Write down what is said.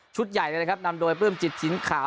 ชุดใหญ่นะครับนำโดยเปลื้มจิตสีขาว